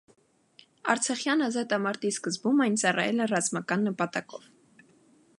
Արցախյան ազատամարտի սկզբում այն ծառայել է ռազմական նպատակով։